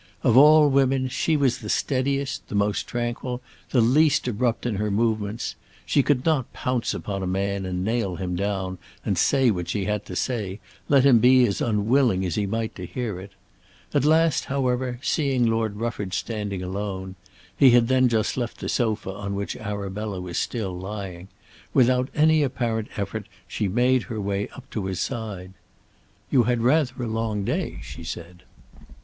Of all women she was the steadiest, the most tranquil, the least abrupt in her movements. She could not pounce upon a man, and nail him down, and say what she had to say, let him be as unwilling as he might to hear it. At last, however, seeing Lord Rufford standing alone, he had then just left the sofa on which Arabella was still lying, without any apparent effort she made her way up to his side. "You had rather a long day," she said.